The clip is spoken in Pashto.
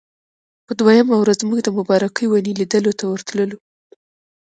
په دویمه ورځ موږ د مبارکې ونې لیدلو ته ورتللو.